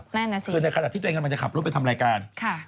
คือในขณะปีที่มันจะขับรถไปทำรายการ